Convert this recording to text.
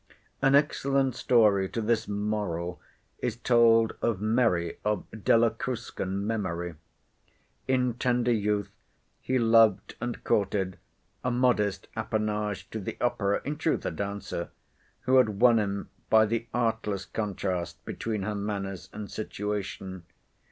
An excellent story to this moral is told of Merry, of Della Cruscan memory. In tender youth, he loved and courted a modest appanage to the Opera, in truth a dancer, who had won him by the artless contrast between her manners and situation.